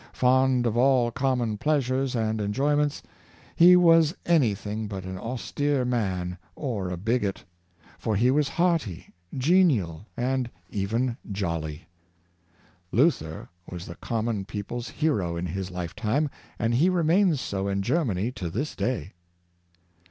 Fond of all common pleasures and enjoyments, he was any thing but an austere man or a bigot; for he was hearty, genial, and even ''jolly." Luther was the common people's hero in his lifetime, and he remains so in Germany to this day.